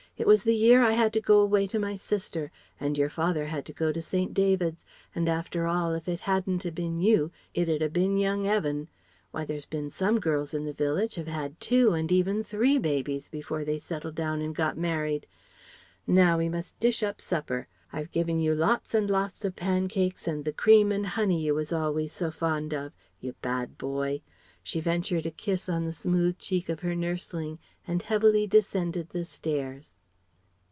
It wass the year I had to go away to my sister, and your father had to go to St. David's, and after all, if it hadn't 'a been you, it 'd 'a been young Evan. Why there's bin some girls in the village have had two and even three babies before they settled down and got married. Now we must dish up supper. I've given you lots and lots of pancakes and the cream and honey you wass always so fond of you bad boy " She ventured a kiss on the smooth cheek of her nursling and heavily descended the stairs.